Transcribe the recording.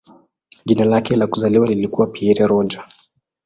Jina lake la kuzaliwa lilikuwa "Pierre Roger".